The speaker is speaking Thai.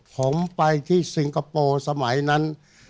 ผมไปที่สิงคโปร์สมัยนั้น